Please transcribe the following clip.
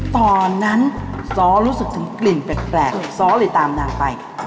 ตอนนั้นซ้อรู้สึกถึงกลิ่นแปลกซ้อเลยตามนางไป